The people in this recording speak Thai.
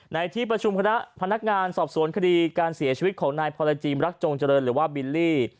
ในที่ประชุมคณะพนักงานสอบสวนคดีการเสียชีวิตของนายพรจีมรักจงเจริญหรือว่าบิลลี่